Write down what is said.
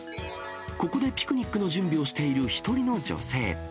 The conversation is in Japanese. ここでピクニックの準備をしている一人の女性。